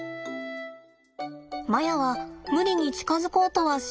マヤは無理に近づこうとはしません。